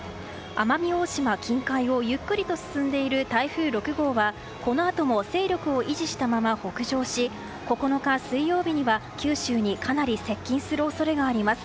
奄美大島近海をゆっくりと進んでいる台風６号はこのあとも勢力を維持したまま北上し９日、水曜日には九州にかなり接近する恐れがあります。